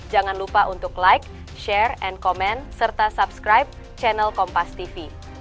jangan lupa untuk like share and comment serta subscribe channel kompas tv